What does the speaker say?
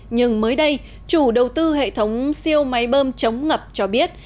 nhưng mới đây chủ đầu tư hệ thống siêu máy bơm chống ngập cho biết